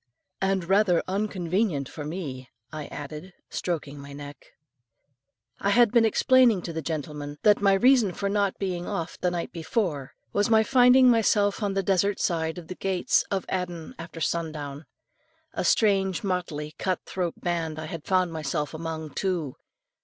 "And rather unconvenient for me," I added, stroking my neck. I had been explaining to the gentleman, that my reason for not being off the night before, was my finding myself on the desert side of the gates of Aden after sun down. A strange motley cut throat band I had found myself among, too.